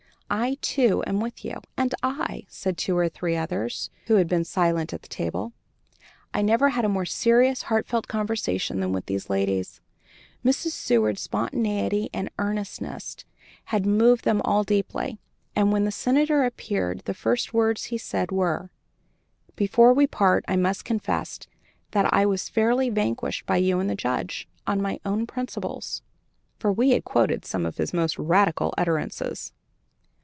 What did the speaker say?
"I, too, am with you," "And I," said two or three others, who had been silent at the table. I never had a more serious, heartfelt conversation than with these ladies. Mrs. Seward's spontaneity and earnestness had moved them all deeply, and when the Senator appeared the first words he said were: "Before we part I must confess that I was fairly vanquished by you and the Judge, on my own principles" (for we had quoted some of his most radical utterances).